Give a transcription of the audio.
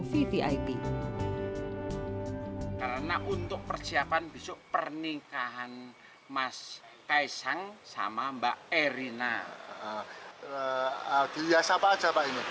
vivi id karena untuk persiapan besok pernikahan mas kaisang sama mbak erina adias apa aja pak ini